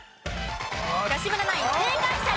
吉村ナイン正解者６人。